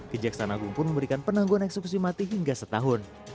kejaksanagung pun memberikan penangguan eksekusi mati hingga setahun